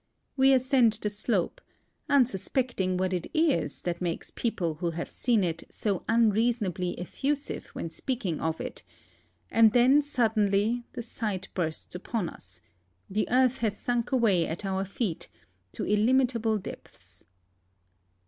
We ascend the slope, unsuspecting what it is that makes people who have seen it so unreasonably effusive when speaking of it; and then sud denly the sight bursts upon us ; the earth has sunk away at our feet to inimitable depths.